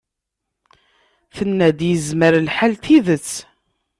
Tenna-d yezmer lḥal tidet.